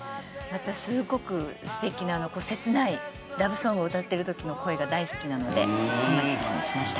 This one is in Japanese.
すごく素敵な切ないラブソングを歌ってる時の声が大好きなので玉置さんにしました。